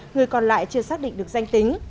người còn lại chưa xác định được danh tính